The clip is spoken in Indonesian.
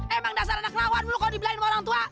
emang dasar anak lawan lu kalau dibelain sama orang tua